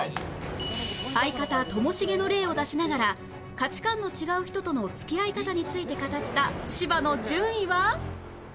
相方ともしげの例を出しながら価値観の違う人との付き合い方について語った芝の順位は！？